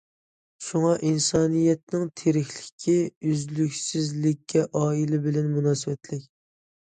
شۇڭا ئىنسانىيەتنىڭ تىرىكلىكى، ئۈزلۈكسىزلىكى ئائىلە بىلەن مۇناسىۋەتلىك.